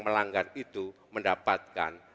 melanggar itu mendapatkan